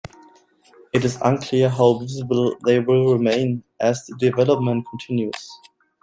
It is unclear how visible they will remain as the development continues.